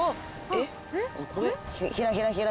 えっ？